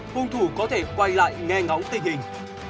hung thủ có thể quay lại nghe ngóng tình hình